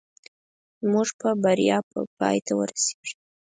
زموږ په بریا به پای ته ورسېږي